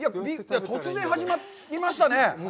突然始まりましたね。